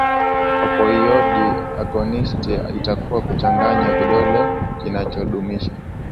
opioidi agonisti itakuwa kuchanganya kidonge kinachodumisha